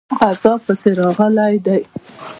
غزا پسې راغلی دی.